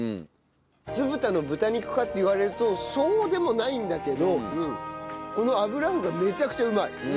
酢豚の豚肉かって言われるとそうでもないんだけどこの油麩がめちゃくちゃうまい。